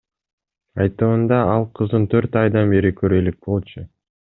Айтымында, ал кызын төрт айдан бери көрө элек болчу.